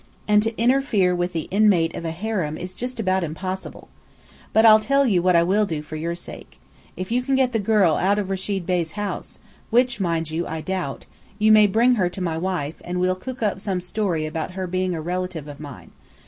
And to interfere with the inmate of a harem is just about impossible. But I'll tell you what I will do for your sake. If you can get the girl out of Rechid Bey's house which, mind you, I doubt you may bring her to my wife, and we'll cook up some story about her being a relative of mine.